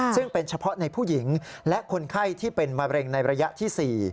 ซึ่งเป็นเฉพาะในผู้หญิงและคนไข้ที่เป็นมะเร็งในระยะที่๔